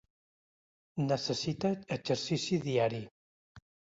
Necessita exercici diari.